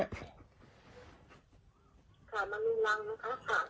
ค่ะมันรุงรังค่ะ